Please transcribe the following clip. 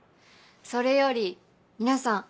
それより皆さん